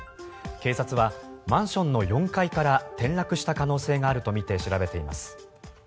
警察はマンションの４階から転落した可能性があるとみて調べています。